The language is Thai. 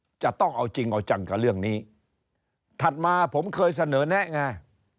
จะต้องเอาจริงเอาจังกับเรื่องนี้ถัดมาผมเคยเสนอแนะไง